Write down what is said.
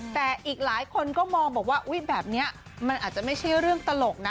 แต่อีกหลายคนก็มองบอกว่าอุ๊ยแบบนี้มันอาจจะไม่ใช่เรื่องตลกนะ